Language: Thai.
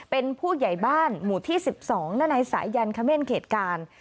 เป็นผู้ใหญ่บ้านหมู่ที่๑๒ณสายยันคเม่นเขตกาล